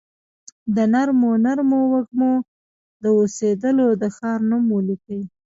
د نرمو نرمو وږمو، د اوسیدولو د ښار نوم ولیکي